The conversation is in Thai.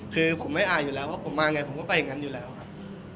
คือผมไม่อ่านอยู่แล้วว่าผมมาไงผมก็ไปอย่างนั้นอยู่แล้วครับ